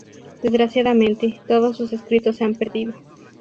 Desgraciadamente, todos sus escritos se han perdido.